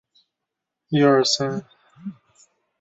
拉扎克德索西尼亚克。